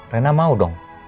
rena mau dong